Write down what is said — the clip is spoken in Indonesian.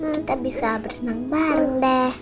kita bisa berenang bareng deh